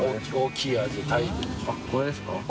これですか？